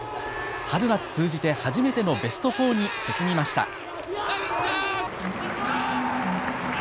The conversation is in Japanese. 春夏通じて初めてのベスト４に進みました。